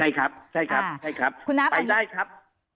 ใช่ครับใช่ครับไปได้ครับ